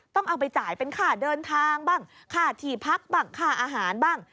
ต้องเอาไปจ่ายเป็นค่าเดินทางบ้างค่าที่พักบ้างค่าอาหารบ้าง